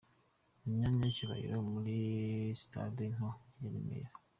Mu myanya y'icyubahiro muri sitade nto ya Remera .